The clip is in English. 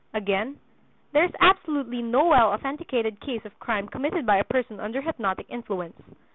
Again, there is absolutely no well authenticated case of crime committed by a person under hypnotic influence.